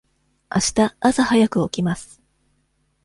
あした朝早く起きます。